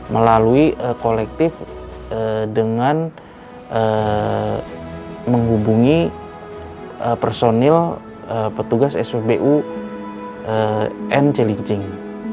melalui kolektif dengan menghubungi personil petugas spbu n cilincing